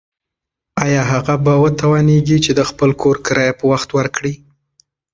ایا هغه به وتوانیږي چې د خپل کور کرایه په وخت ورکړي؟